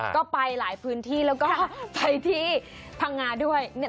ก็ไปหลายพื้นที่แล้วก็ไปที่พังงาด้วย